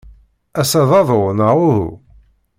Ass-a d aḍu, neɣ uhu?